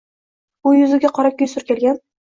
U yuziga qorakuya surkalgan.